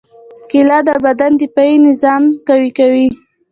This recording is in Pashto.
کېله د بدن دفاعي نظام قوي کوي.